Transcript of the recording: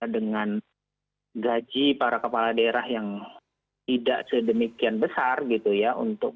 dengan gaji para kepala daerah yang tidak sedemikian besar gitu ya